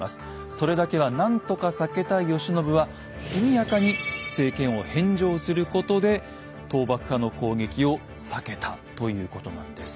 それだけは何とか避けたい慶喜は速やかに政権を返上することで倒幕派の攻撃を避けたということなんです。